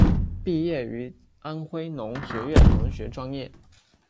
毕业于安徽农学院农学专业。